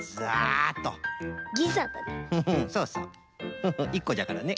フフ１こじゃからね。